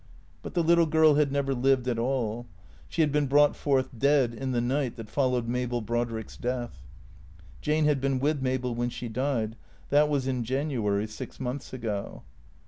But the little girl had never lived at all. She had been brough forth dead in the night that followed Mabel Brodrick's death. Jane had been with Mabel when she died. That was in January six months ago.